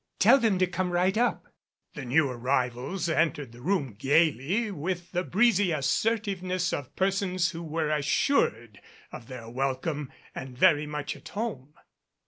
Tell them to come right up." The new arrivals entered the room gayly with the breezy assertiveness of persons who were assured of their welcome and very much at home.